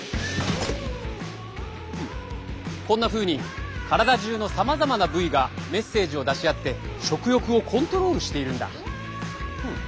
こんなふうに体中のさまざまな部位がメッセージを出し合って食欲をコントロールしているんだ。